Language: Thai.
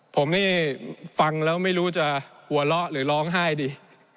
ผมนี่ฟังแล้วไม่รู้จะหัวเราะหรือร้องไห้ดี